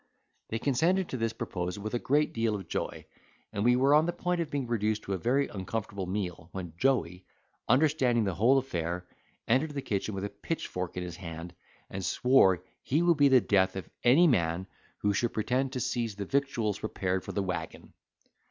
They consented to this proposal with a great deal of joy; and we were on the point of being reduced to a very uncomfortable meal, when Joey, understanding the whole affair, entered the kitchen with a pitchfork in his hand, and swore he would be the death of any man who should pretend to seize the victuals prepared for the waggon.